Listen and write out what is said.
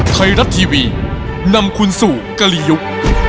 ไทยรัฐทีวีนำคุณสู่กลียุ